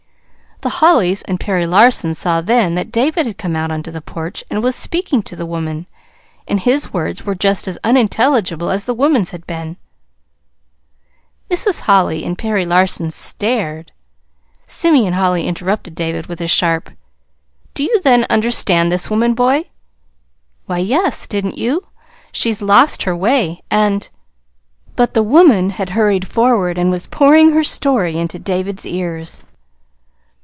The Hollys and Perry Larson saw then that David had come out onto the porch and was speaking to the woman and his words were just as unintelligible as the woman's had been. Mrs. Holly and Perry Larson stared. Simeon Holly interrupted David with a sharp: "Do you, then, understand this woman, boy?" "Why, yes! Didn't you? She's lost her way, and " But the woman had hurried forward and was pouring her story into David's ears.